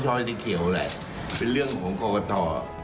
สอชอจะเขียวแหละเป็นเรื่องของของกรกฏร